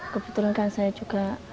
kebetulan saya juga menikmati jamu